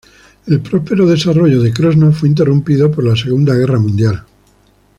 El próspero desarrollo de Krosno fue interrumpido por la Segunda Guerra Mundial.